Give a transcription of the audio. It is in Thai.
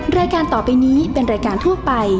แม่บ้านประจันบรรย์